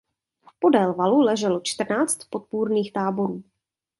Podél valu leželo čtrnáct podpůrných táborů.